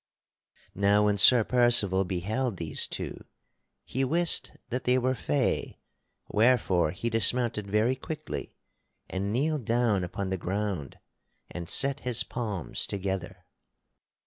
Now when Sir Percival beheld these two, he wist that they were fay, wherefore he dismounted very quickly, and kneeled down upon the ground and set his palms together.